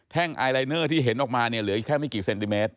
แท่งไอลายเนอร์ที่เห็นออกมาเหลือแค่ไม่กี่เซนติเมตร